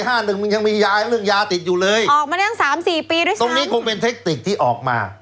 ห้าหนึ่งมันยังมียาเรื่องยาติดอยู่เลยออกมาได้ตั้งสามสี่ปีด้วยซ้ำตรงนี้คงเป็นเทคติกที่ออกมา